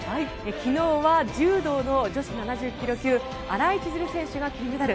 昨日は柔道の女子７０ｋｇ級新井千鶴選手が金メダル。